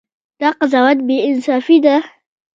دا قضاوت بې انصافي ده.